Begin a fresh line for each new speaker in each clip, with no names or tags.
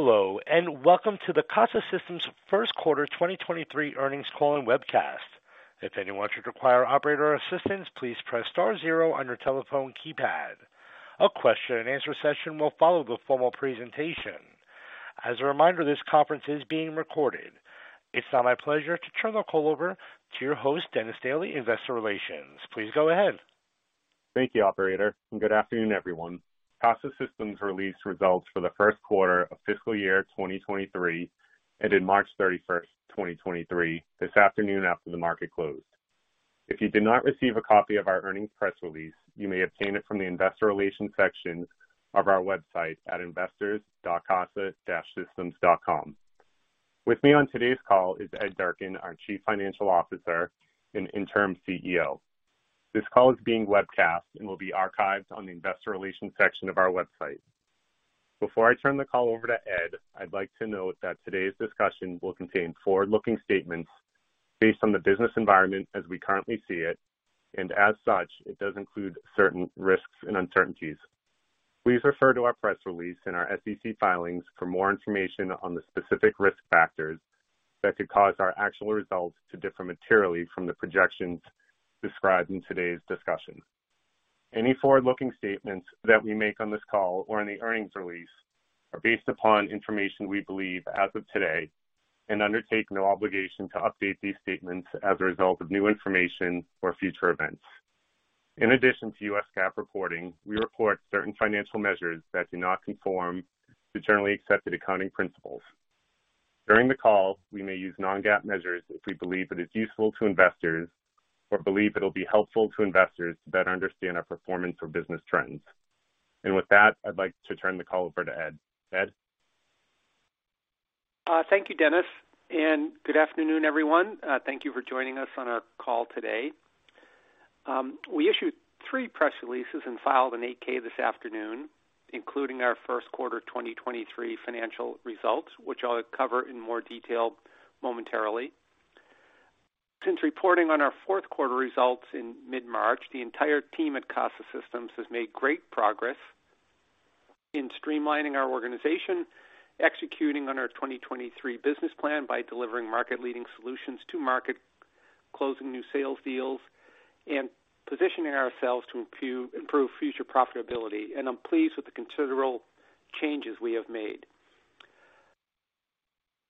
Hello, and welcome to the Casa Systems first quarter 2023 earnings call and webcast. If anyone should require operator assistance, please press star zero on your telephone keypad. A question-and-answer session will follow the formal presentation. As a reminder, this conference is being recorded. It's now my pleasure to turn the call over to your host, Dennis Daly, Investor Relations. Please go ahead.
Thank you, operator, and good afternoon, everyone. Casa Systems released results for the first quarter of fiscal year 2023, ended March 31st, 2023, this afternoon after the market closed. If you did not receive a copy of our earnings press release, you may obtain it from the Investor Relations section of our website at investors.casa-systems.com. With me on today's call is Ed Durkin, our Chief Financial Officer and Interim CEO. This call is being webcast and will be archived on the Investor Relations section of our website. Before I turn the call over to Ed, I'd like to note that today's discussion will contain forward-looking statements based on the business environment as we currently see it, and as such, it does include certain risks and uncertainties. Please refer to our press release and our SEC filings for more information on the specific risk factors that could cause our actual results to differ materially from the projections described in today's discussion. Any forward-looking statements that we make on this call or in the earnings release are based upon information we believe as of today and undertake no obligation to update these statements as a result of new information or future events. In addition to U.S. GAAP reporting, we report certain financial measures that do not conform to generally accepted accounting principles. During the call, we may use non-GAAP measures if we believe it is useful to investors or believe it'll be helpful to investors to better understand our performance or business trends. With that, I'd like to turn the call over to Ed. Ed?
Thank you, Dennis, good afternoon, everyone. Thank you for joining us on our call today. We issued three press releases and filed an 8-K this afternoon, including our first quarter 2023 financial results, which I'll cover in more detail momentarily. Since reporting on our fourth quarter results in mid-March, the entire team at Casa Systems has made great progress in streamlining our organization, executing on our 2023 business plan by delivering market-leading solutions to market, closing new sales deals, and positioning ourselves to improve future profitability. I'm pleased with the considerable changes we have made.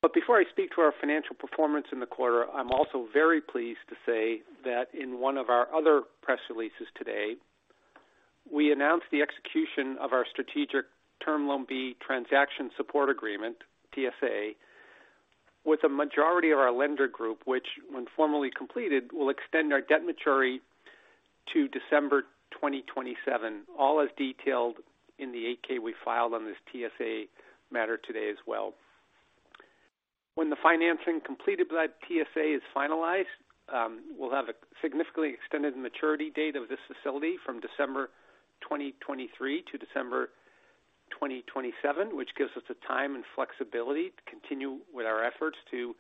Before I speak to our financial performance in the quarter, I'm also very pleased to say that in one of our other press releases today, we announced the execution of our strategic Term Loan B transaction support agreement, TSA, with the majority of our lender group, which when formally completed, will extend our debt maturity to December 2027, all as detailed in the 8-K we filed on this TSA matter today as well. When the financing completed by that TSA is finalized, we'll have a significantly extended maturity date of this facility from December 2023 to December 2027, which gives us the time and flexibility to continue with our efforts to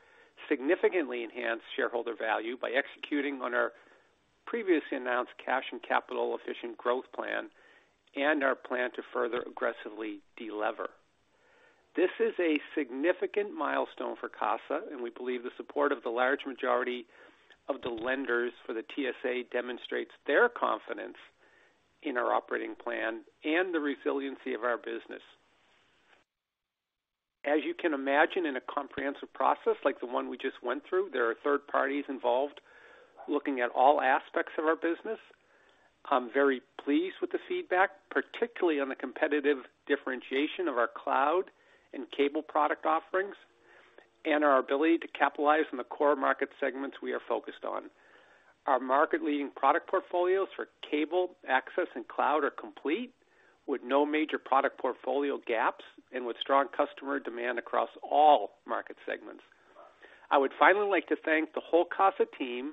significantly enhance shareholder value by executing on our previously announced cash and capital efficient growth plan and our plan to further aggressively delever. This is a significant milestone for Casa, and we believe the support of the large majority of the lenders for the TSA demonstrates their confidence in our operating plan and the resiliency of our business. As you can imagine, in a comprehensive process like the one we just went through, there are third parties involved looking at all aspects of our business. I'm very pleased with the feedback, particularly on the competitive differentiation of our cloud and cable product offerings and our ability to capitalize on the core market segments we are focused on. Our market-leading product portfolios for cable, Access, and cloud are complete with no major product portfolio gaps and with strong customer demand across all market segments. I would finally like to thank the whole Casa team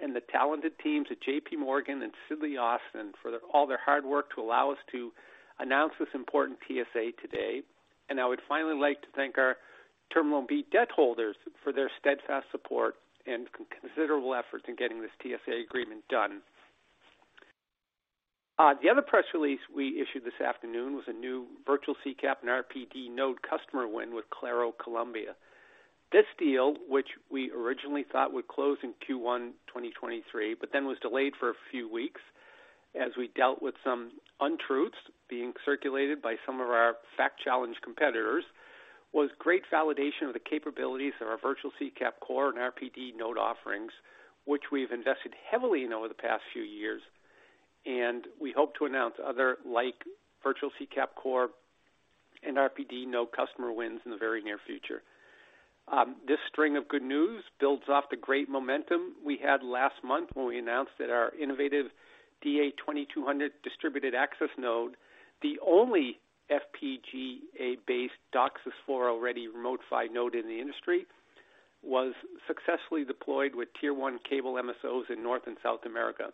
and the talented teams at JPMorgan and Sidley Austin for all their hard work to allow us to announce this important TSA today. I would finally like to thank our Term Loan B debt holders for their steadfast support and considerable efforts in getting this TSA agreement done. The other press release we issued this afternoon was a new virtual CCAP and RPD node customer win with Claro Colombia. This deal, which we originally thought would close in Q1 2023 but then was delayed for a few weeks as we dealt with some untruths being circulated by some of our fact-challenged competitors, was great validation of the capabilities of our virtual CCAP Core and RPD node offerings, which we've invested heavily in over the past few years, and we hope to announce other like virtual CCAP Core and RPD node customer wins in the very near future. This string of good news builds off the great momentum we had last month when we announced that our innovative DA2200 Distributed Access node, the only FPGA-based DOCSIS 4.0-ready Remote PHY node in the industry, was successfully deployed with tier 1 cable MSOs in North and South America.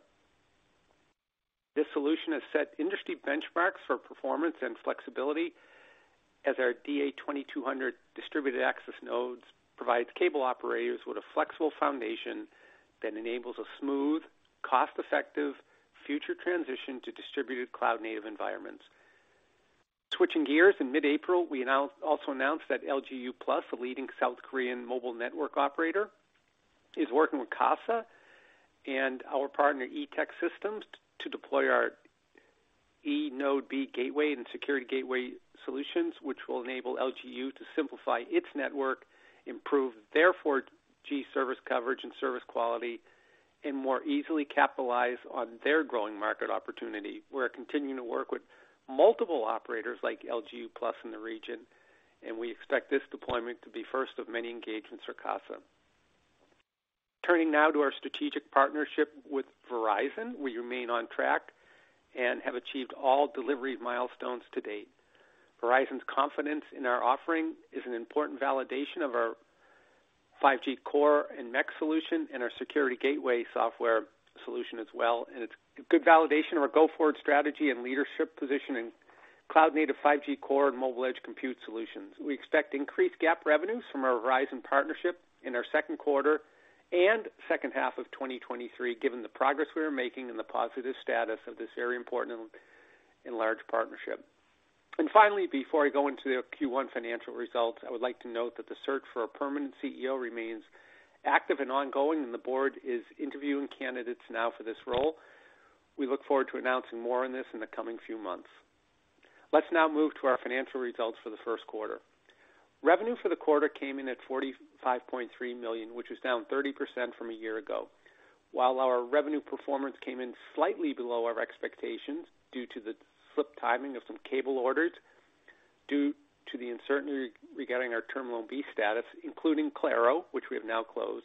This solution has set industry benchmarks for performance and flexibility as our DA2200 Distributed Access nodes provides cable operators with a flexible foundation that enables a smooth, cost-effective future transition to distributed cloud-native environments. Switching gears, in mid-April, we announced that LG U+, a leading South Korean mobile network operator, is working with Casa and our partner, E-Tech System, to deploy our Home eNodeB Gateway and Security Gateway solutions, which will enable LG U+ to simplify its network, improve their 4G service coverage and service quality, and more easily capitalize on their growing market opportunity. We're continuing to work with multiple operators like LG U+ in the region. We expect this deployment to be first of many engagements for Casa. Turning now to our strategic partnership with Verizon, we remain on track and have achieved all delivery milestones to date. Verizon's confidence in our offering is an important validation of our 5G Core and MEC solution and our Security Gateway software solution as well. It's a good validation of our go-forward strategy and leadership position in cloud-native 5G Core and Mobile Edge Compute solutions. We expect increased GAAP revenues from our Verizon partnership in our second quarter and second half of 2023, given the progress we are making and the positive status of this very important and large partnership. Finally, before I go into the Q1 financial results, I would like to note that the search for a permanent CEO remains active and ongoing. The board is interviewing candidates now for this role. We look forward to announcing more on this in the coming few months. Let's now move to our financial results for the first quarter. Revenue for the quarter came in at $45.3 million, which was down 30% from a year ago. While our revenue performance came in slightly below our expectations due to the slip timing of some cable orders due to the uncertainty regarding our Term Loan B status, including Claro, which we have now closed,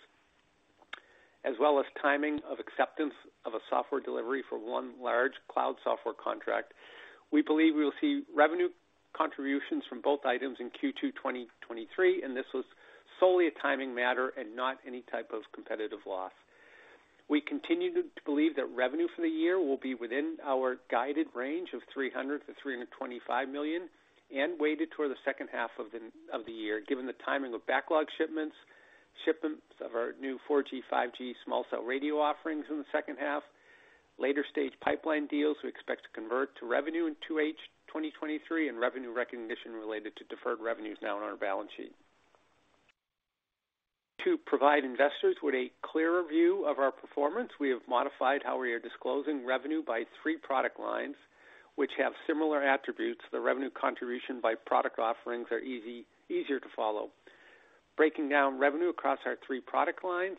as well as timing of acceptance of a software delivery for one large cloud software contract. We believe we will see revenue contributions from both items in Q2 2023. This was solely a timing matter and not any type of competitive loss. We continue to believe that revenue for the year will be within our guided range of $300 million-$325 million and weighted toward the second half of the year, given the timing of backlog shipments of our new 4G, 5G small cell radio offerings in the second half, later stage pipeline deals we expect to convert to revenue in 2H 2023, and revenue recognition related to deferred revenues now on our balance sheet. To provide investors with a clearer view of our performance, we have modified how we are disclosing revenue by three product lines which have similar attributes. The revenue contribution by product offerings are easier to follow. Breaking down revenue across our three product lines,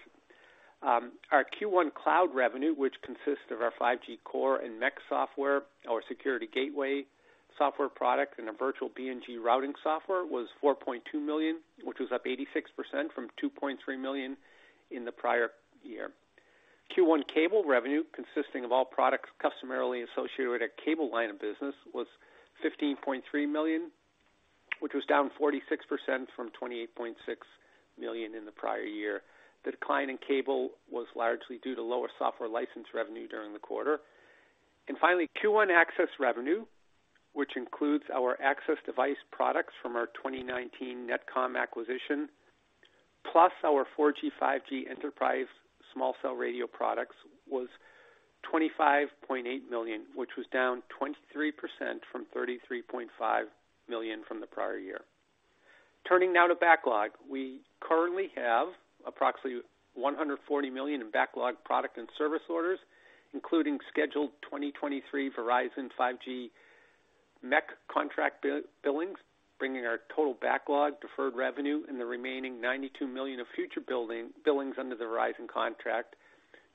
our Q1 cloud revenue, which consists of our 5G Core and MEC software, our Security Gateway software product, and our virtual BNG routing software, was $4.2 million, which was up 86% from $2.3 million in the prior year. Q1 cable revenue, consisting of all products customarily associated with our cable line of business, was $15.3 million, which was down 46% from $28.6 million in the prior year. The decline in cable was largely due to lower software license revenue during the quarter. Finally, Q1 Access revenue, which includes our access device products from our 2019 NetComm acquisition, plus our 4G, 5G enterprise small cell radio products, was $25.8 million, which was down 23% from $33.5 million from the prior year. Turning now to backlog. We currently have approximately $140 million in backlog product and service orders, including scheduled 2023 Verizon 5G MEC contract billings, bringing our total backlog, deferred revenue, and the remaining $92 million of future billings under the Verizon contract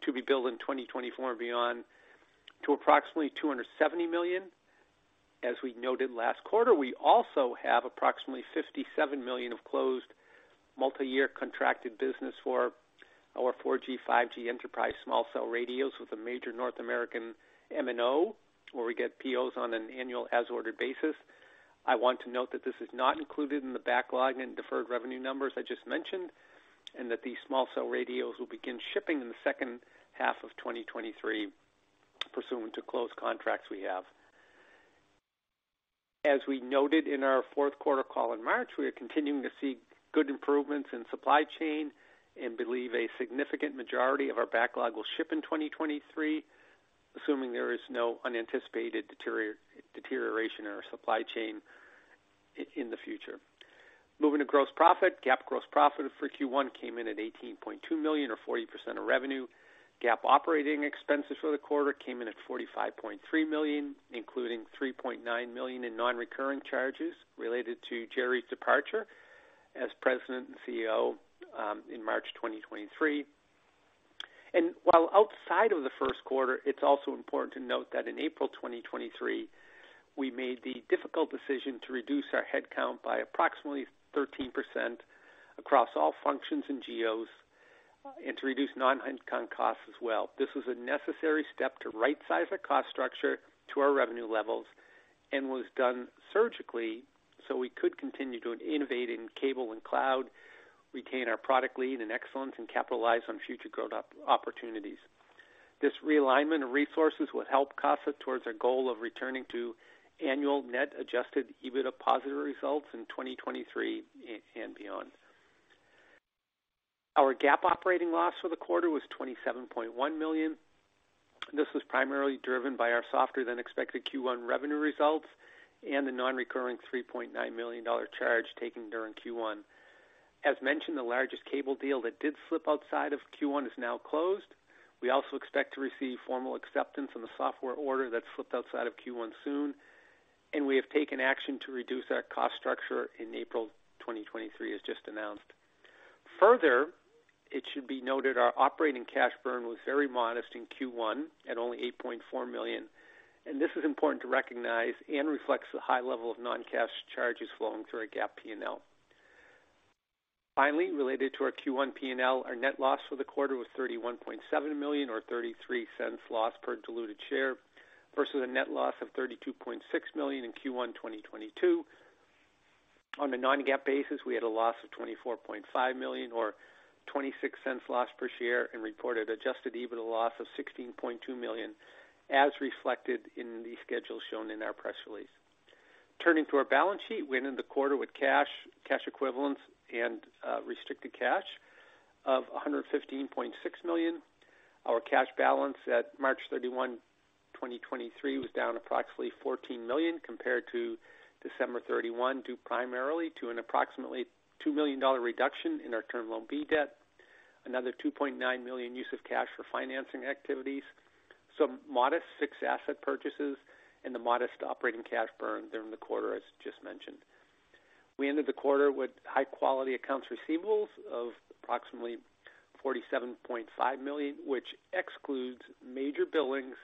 to be billed in 2024 and beyond to approximately $270 million. As we noted last quarter, we also have approximately $57 million of closed multiyear contracted business for our 4G/5G enterprise small cell radios with a major North American MNO, where we get POs on an annual as-ordered basis. I want to note that this is not included in the backlog and deferred revenue numbers I just mentioned, and that these small cell radios will begin shipping in the second half of 2023 pursuant to closed contracts we have. As we noted in our fourth quarter call in March, we are continuing to see good improvements in supply chain and believe a significant majority of our backlog will ship in 2023, assuming there is no unanticipated deterioration in our supply chain in the future. Moving to gross profit. GAAP gross profit for Q1 came in at $18.2 million or 40% of revenue. GAAP operating expenses for the quarter came in at $45.3 million, including $3.9 million in non-recurring charges related to Jerry's departure as president and CEO, in March 2023. While outside of the first quarter, it's also important to note that in April 2023, we made the difficult decision to reduce our headcount by approximately 13% across all functions and geos, and to reduce non-headcount costs as well. This was a necessary step to rightsize our cost structure to our revenue levels and was done surgically so we could continue to innovate in cable and cloud, retain our product lead and excellence, and capitalize on future growth opportunities. This realignment of resources will help Casa towards our goal of returning to annual net adjusted EBITDA positive results in 2023 and beyond. Our GAAP operating loss for the quarter was $27.1 million. This was primarily driven by our softer than expected Q1 revenue results and the non-recurring $3.9 million charge taken during Q1. As mentioned, the largest cable deal that did slip outside of Q1 is now closed. We also expect to receive formal acceptance on the software order that slipped outside of Q1 soon, and we have taken action to reduce our cost structure in April 2023, as just announced. It should be noted our operating cash burn was very modest in Q1 at only $8.4 million. This is important to recognize and reflects the high level of non-cash charges flowing through our GAAP P&L. Finally, related to our Q1 P&L, our net loss for the quarter was $31.7 million or $0.33 loss per diluted share versus a net loss of $32.6 million in Q1 2022. On a non-GAAP basis, we had a loss of $24.5 million or $0.26 loss per share and reported adjusted EBITDA loss of $16.2 million, as reflected in the schedule shown in our press release. Turning to our balance sheet, we ended the quarter with cash equivalents, and restricted cash of $115.6 million. Our cash balance at March 31, 2023, was down approximately $14 million compared to December 31, due primarily to an approximately $2 million reduction in our Term Loan B debt. Another $2.9 million use of cash for financing activities, some modest fixed asset purchases, and the modest operating cash burn during the quarter as just mentioned. We ended the quarter with high-quality accounts receivables of approximately $47.5 million, which excludes major billings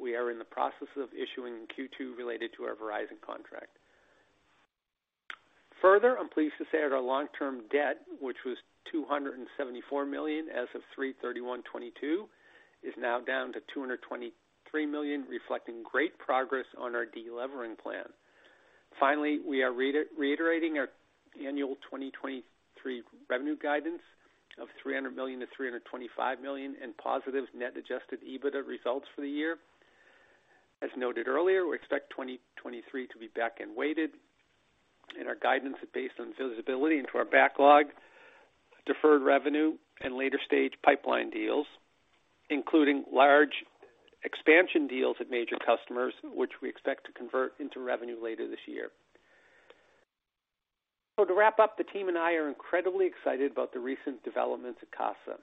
we are in the process of issuing in Q2 related to our Verizon contract. Further, I'm pleased to say that our long-term debt, which was $274 million as of 3/31/2022, is now down to $223 million, reflecting great progress on our de-levering plan. Finally, we are reiterating our annual 2023 revenue guidance of $300 million-$325 million and positive net adjusted EBITDA results for the year. As noted earlier, we expect 2023 to be back-end weighted, and our guidance is based on visibility into our backlog, deferred revenue, and later-stage pipeline deals, including large expansion deals with major customers, which we expect to convert into revenue later this year. To wrap up, the team and I are incredibly excited about the recent developments at Casa.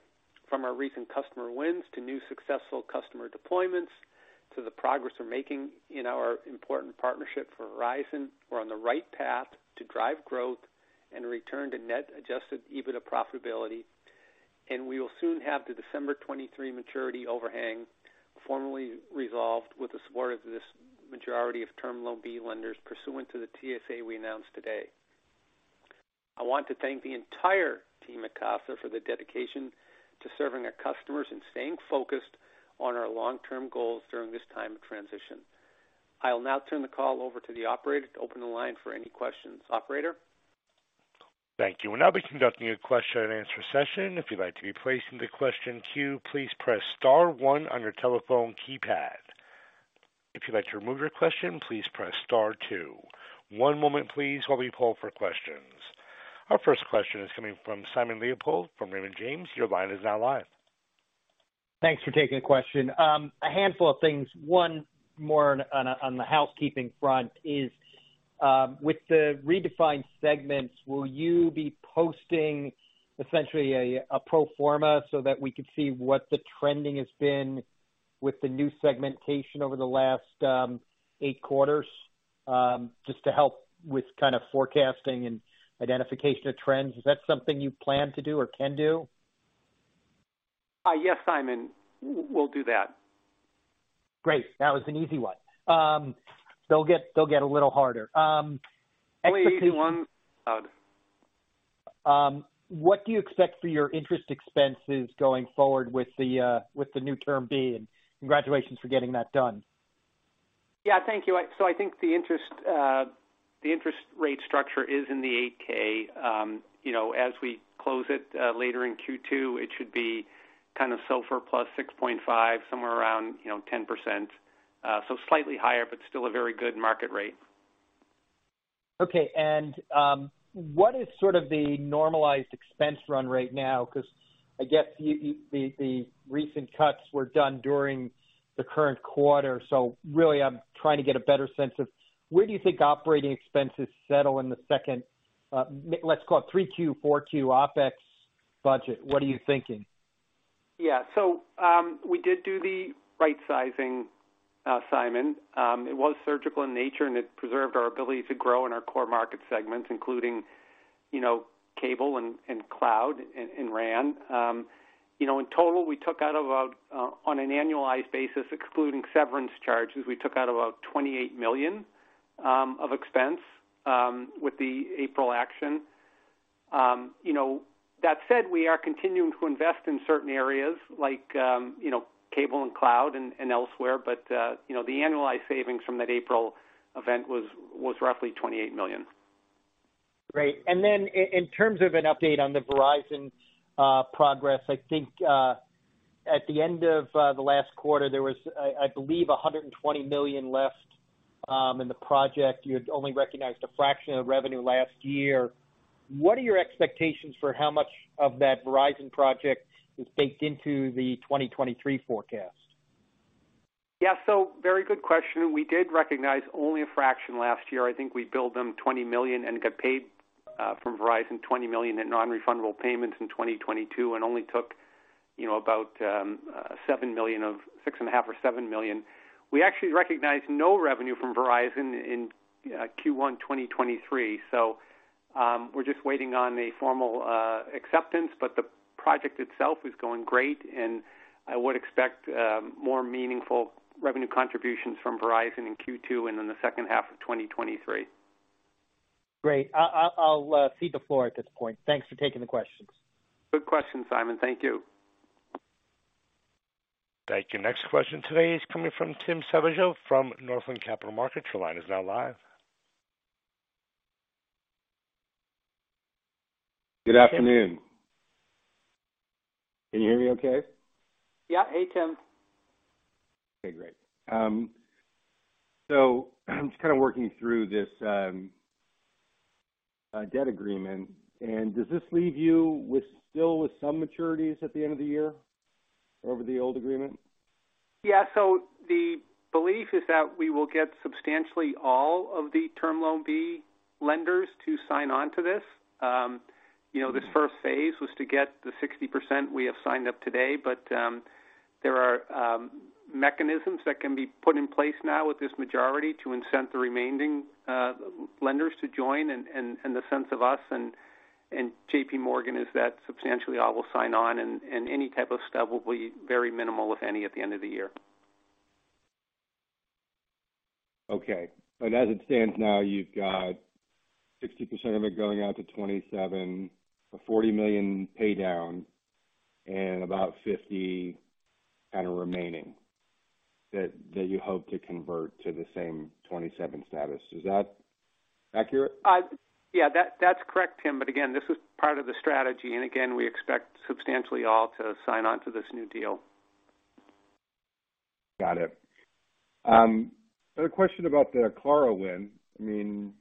From our recent customer wins to new successful customer deployments to the progress we're making in our important partnership for Verizon, we're on the right path to drive growth and return to net adjusted EBITDA profitability. We will soon have the December 2023 maturity overhang formally resolved with the support of this majority of Term Loan B lenders pursuant to the TSA we announced today. I want to thank the entire team at Casa for the dedication to serving our customers and staying focused on our long-term goals during this time of transition. I will now turn the call over to the operator to open the line for any questions. Operator?
Thank you. We'll now be conducting a question-and-answer session. If you'd like to be placed into the question queue, please press star one on your telephone keypad. If you'd like to remove your question, please press star two. One moment please while we poll for questions. Our first question is coming from Simon Leopold from Raymond James. Your line is now live.
Thanks for taking the question. A handful of things. One more on the housekeeping front is, with the redefined segments, will you be posting essentially a pro forma so that we can see what the trending has been with the new segmentation over the last eight quarters, just to help with kind of forecasting and identification of trends? Is that something you plan to do or can do?
Yes, Simon. We'll do that.
Great. That was an easy one. They'll get a little harder. What do you expect for your interest expenses going forward with the with the new Term Loan B? Congratulations for getting that done.
Thank you. I think the interest, the interest rate structure is in the 8-K. you know, as we close it, later in Q2, it should be kind of SOFR plus 6.5, somewhere around, you know, 10%. slightly higher, but still a very good market rate.
Okay. what is sort of the normalized expense run right now? 'Cause I guess the recent cuts were done during the current quarter. really I'm trying to get a better sense of where do you think operating expenses settle in the second, let's call it 3Q, 4Q OpEx budget. What are you thinking?
We did do the right sizing, Simon. It was surgical in nature, and it preserved our ability to grow in our core market segments, including, you know, cable and cloud and RAN. In total, we took out about on an annualized basis, excluding severance charges, we took out about $28 million of expense with the April action. That said, we are continuing to invest in certain areas like cable and cloud and elsewhere, but the annualized savings from that April event was roughly $28 million.
Great. In terms of an update on the Verizon progress, I think, at the end of the last quarter, there was, I believe, $120 million left in the project. You had only recognized a fraction of revenue last year. What are your expectations for how much of that Verizon project is baked into the 2023 forecast?
Yeah. Very good question. We did recognize only a fraction last year. I think we billed them $20 million and got paid from Verizon $20 million in non-refundable payments in 2022, and only took, you know, about six and a half or $7 million. We actually recognized no revenue from Verizon in Q1 2023. We're just waiting on the formal acceptance, but the project itself is going great, and I would expect more meaningful revenue contributions from Verizon in Q2 and in the second half of 2023.
Great. I'll cede the floor at this point. Thanks for taking the questions.
Good question, Simon. Thank you.
Thank you. Next question today is coming from Tim Savageaux from Northland Capital Markets. Your line is now live.
Good afternoon. Can you hear me okay?
Yeah. Hey, Tim.
Okay, great. I'm just kinda working through this debt agreement. Does this leave you with some maturities at the end of the year over the old agreement?
The belief is that we will get substantially all of the Term Loan B lenders to sign on to this. You know, this first phase was to get the 60% we have signed up today, but there are mechanisms that can be put in place now with this majority to incent the remaining lenders to join. The sense of us and JPMorgan is that substantially all will sign on and any type of stub will be very minimal, if any, at the end of the year.
Okay. As it stands now, you've got 60% of it going out to 2027, a $40 million pay down, and about $50 million kinda remaining that you hope to convert to the same 2027 status. Is that accurate?
Yeah, that's correct, Tim, but again, this is part of the strategy. Again, we expect substantially all to sign on to this new deal.
Got it. A question about the Claro win. I mean,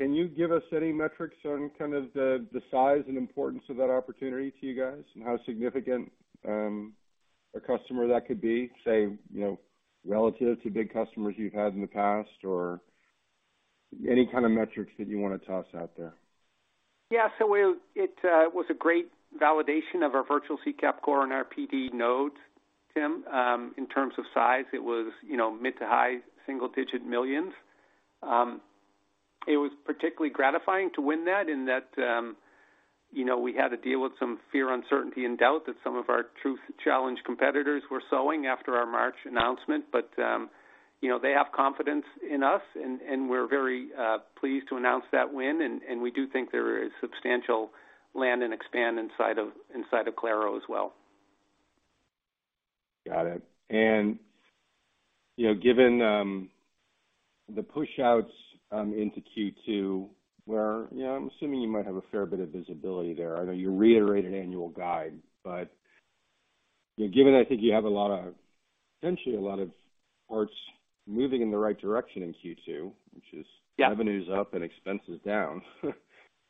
can you give us any metrics on kind of the size and importance of that opportunity to you guys and how significant a customer that could be, say, you know, relative to big customers you've had in the past or any kind of metrics that you wanna toss out there?
It was a great validation of our virtual CCAP Core and our RPD nodes, Tim. In terms of size, it was, you know, mid to high single digit millions. It was particularly gratifying to win that in that, you know, we had to deal with some fear, uncertainty, and doubt that some of our truth challenge competitors were sowing after our March announcement. They have confidence in us and we're very pleased to announce that win. We do think there is substantial land and expand inside of, inside of Claro as well.
Got it. You know, given, the push-outs, into Q2, where, you know, I'm assuming you might have a fair bit of visibility there. I know you reiterated annual guide, you know, given I think you have potentially a lot of parts moving in the right direction in Q2, which is..
Yeah.
revenues up and expenses down.
Correct.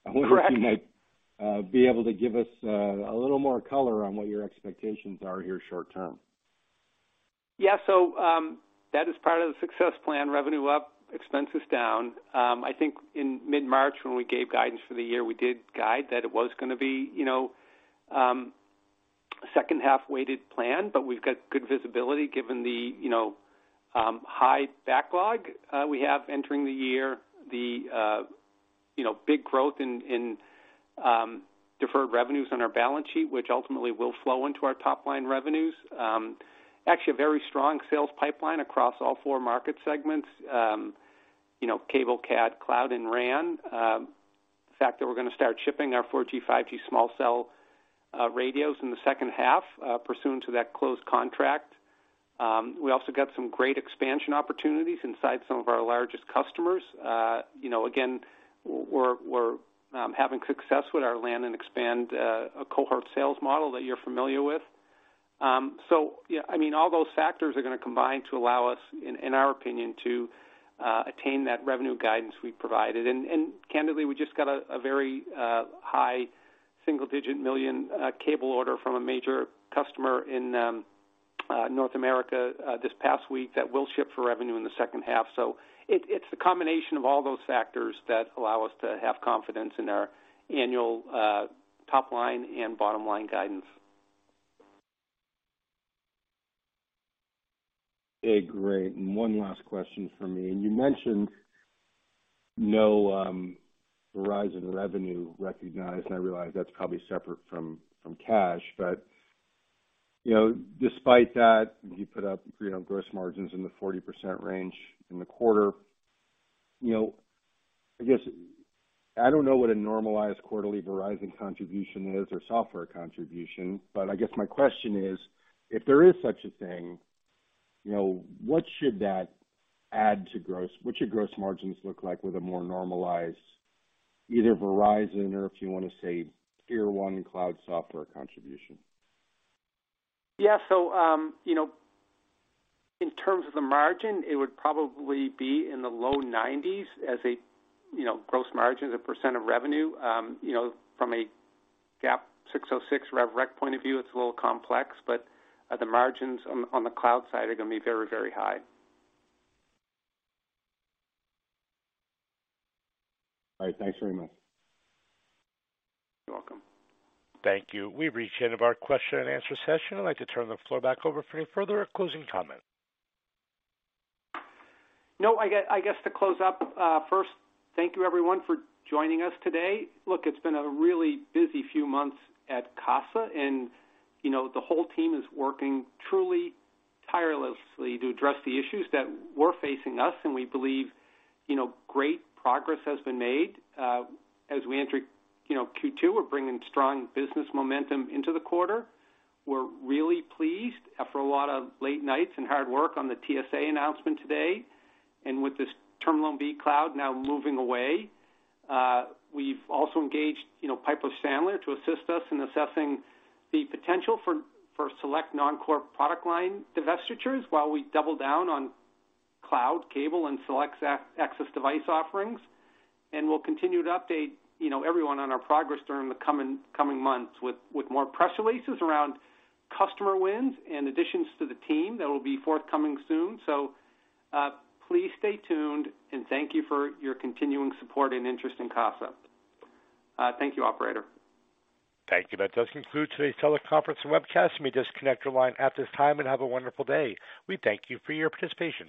I wonder if you might be able to give us a little more color on what your expectations are here short term.
Yeah. That is part of the success plan, revenue up, expenses down. I think in mid-March when we gave guidance for the year, we did guide that it was gonna be, you know, second half weighted plan. We've got good visibility given the, you know, high backlog we have entering the year, the, you know, big growth in deferred revenues on our balance sheet, which ultimately will flow into our top line revenues. Actually a very strong sales pipeline across all four market segments. You know, cable, Access, cloud, and RAN. The fact that we're gonna start shipping our 4G, 5G small cell radios in the second half, pursuant to that closed contract. We also got some great expansion opportunities inside some of our largest customers. You know, again, we're having success with our land and expand cohort sales model that you're familiar with. I mean, all those factors are gonna combine to allow us, in our opinion, to attain that revenue guidance we've provided. candidly, we just got a very high single-digit million cable order from a major customer in North America this past week that will ship for revenue in the second half. it's the combination of all those factors that allow us to have confidence in our annual top line and bottom line guidance.
Okay, great. One last question from me. You mentioned no Verizon revenue recognized, and I realize that's probably separate from cash. You know, despite that, you put up, you know, gross margins in the 40% range in the quarter. You know, I guess I don't know what a normalized quarterly Verizon contribution is or software contribution, but I guess my question is: If there is such a thing, you know, what should that add to what should gross margins look like with a more normalized-Either Verizon or if you wanna say Tier one cloud software contribution.
Yeah. You know, in terms of the margin, it would probably be in the low 90s as a, you know, gross margin, the percent of revenue, you know, from a GAAP 606 rev rec point of view, it's a little complex. The margins on the cloud side are gonna be very, very high.
All right. Thanks very much.
You're welcome.
Thank you. We've reached the end of our question and answer session. I'd like to turn the floor back over for any further closing comments.
No, I guess to close up, first, thank you everyone for joining us today. Look, it's been a really busy few months at Casa, and, you know, the whole team is working truly tirelessly to address the issues that were facing us, and we believe, you know, great progress has been made. As we enter, you know, Q2, we're bringing strong business momentum into the quarter. We're really pleased for a lot of late nights and hard work on the TSA announcement today. With this Term Loan B cloud now moving away, we've also engaged, you know, Piper Sandler to assist us in assessing the potential for select non-core product line divestitures while we double down on cloud, cable, and select access device offerings. We'll continue to update, you know, everyone on our progress during the coming months with more press releases around customer wins and additions to the team that will be forthcoming soon. Please stay tuned, and thank you for your continuing support and interest in Casa. Thank you, operator.
Thank you. That does conclude today's teleconference and webcast. You may disconnect your line at this time, and have a wonderful day. We thank you for your participation.